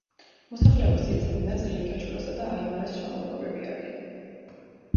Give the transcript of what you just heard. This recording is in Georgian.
მოსახლეობის ძირითადი ნაწილი კეჩუასა და აიმარას შთამომავლები არიან.